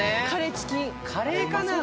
カレーかな。